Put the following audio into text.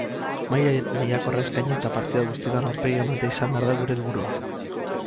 Maila lehiakorra eskaini eta partida guztietan aurpegia ematea izan behar da gure helburua.